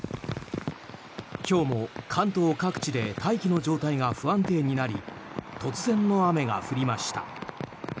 今日も関東各地で大気の状態が不安定になり突然の雨が降りました。